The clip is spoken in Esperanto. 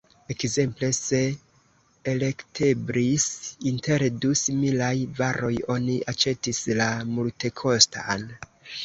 Ekzemple, se elekteblis inter du similaj varoj, oni aĉetis la multekostan.